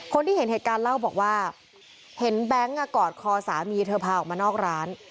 คนที่เห็นเหตุการณ์เล่าบอกว่าเห็นแบงค์กอดคอสามีเธอพาออกมานอกร้าน